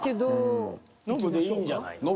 ノブでいいんじゃないの？